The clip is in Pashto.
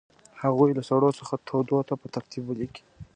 هغوی له سړو څخه تودو ته په ترتیب ولیکئ.